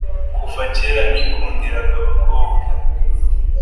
Kuva kera nikundiraga abakobw